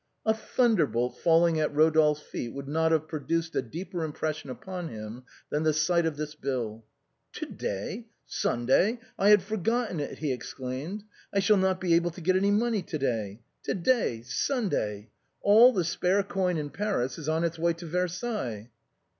A thunderbolt falling at Eodolphe's feet would not have produced a deeper impression upon him than the sight of this bill. "To day, Sunday! I had forgotten it," he exclaimed. « I shall not be able to get any money. To day, Sunday !!! All the spare coin in Paris is on its way to Versailles."